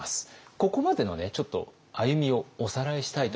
ここまでの歩みをおさらいしたいと思います。